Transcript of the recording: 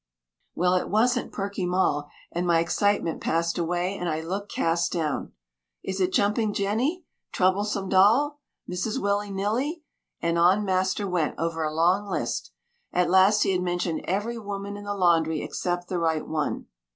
Well, it wasn't Perky Moll, and my excitement passed away, and I looked cast down. "Is it Jumping Jenny, Troublesome Doll, Mrs. Willie Nillie?" and on master went, over a long list. At last he had mentioned every woman in the laundry except the right one.